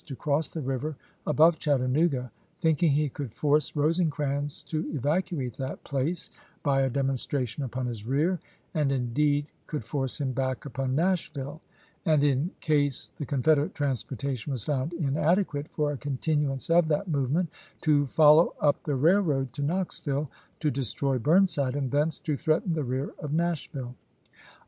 ises. cross the river above Chattanooga, thinking he could force Eosecrans to evacuate that place by a demonstration upon his rear, and indeed could force him back upon Nashville; and in case the Confederate transportation was found inadequate for a continuance of that movement, to follow up the railroad to Knoxville, to destroy Burnside, and thence to threaten the rear of Nashville.